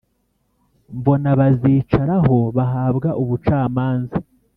mbona bazicaraho bahabwa ubucamanza.